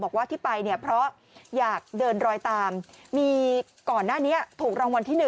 บอกว่าที่ไปเนี่ยเพราะอยากเดินรอยตามมีก่อนหน้านี้ถูกรางวัลที่๑